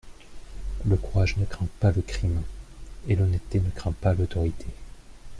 Le courage ne craint pas le crime, et l'honnêteté ne craint pas l'autorité.